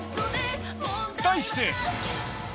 題して。